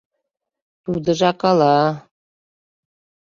Тудыжак ала...